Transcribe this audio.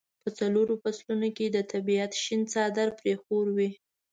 په څلورو فصلونو کې د طبیعت شین څادر پرې خور وي.